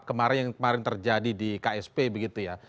kemarin yang kemarin terjadi di ksp begitu ya